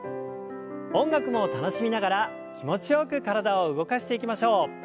音楽も楽しみながら気持ちよく体を動かしていきましょう。